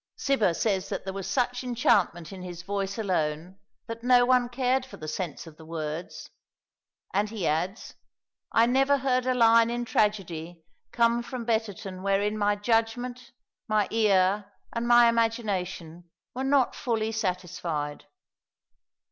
Cibber says that there was such enchantment in his voice alone that no one cared for the sense of the words; and he adds, "I never heard a line in tragedy come from Betterton wherein my judgment, my ear, and my imagination, were not fully satisfied."